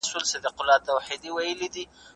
دیني پوهنې هم خپله ځانګړې څېړنه لري.